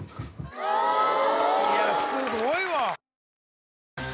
いやすごいわ！